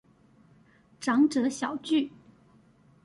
長者小聚